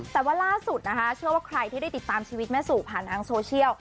แต่ว่าล่าสุดนะคะเชื่อว่าใครที่ได้ติดตามชีวิตแม่สู่ผ่านทางโซเชียล